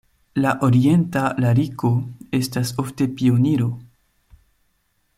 La orienta lariko estas ofte pioniro.